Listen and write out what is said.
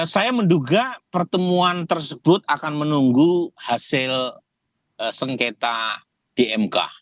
saya menduga pertemuan tersebut akan menunggu hasil sengketa di mk